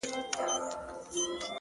پرمختګ د کوچنیو بریاوو زنجیر دی؛